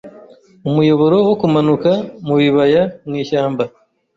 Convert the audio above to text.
Umuyoboro wokumanuka mubibaya mwishyamba